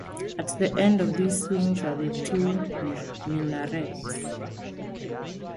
At the ends of these wings are the two minarets.